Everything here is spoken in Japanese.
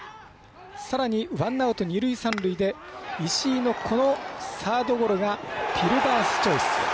さらにワンアウト、二塁、三塁で石井のサードゴロがフィルダースチョイス。